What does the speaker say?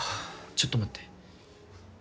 ちょっと待って。